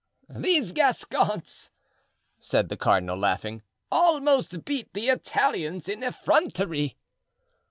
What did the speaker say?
"These Gascons," said the cardinal, laughing, "almost beat the Italians in effrontery."